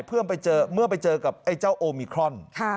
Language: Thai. เพื่อเมื่อไปเจอกับไอ้เจ้าโอมิครอน